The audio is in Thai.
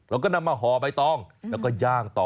แล้วก็นำมาห่อใบตองแล้วก็ย่างต่อ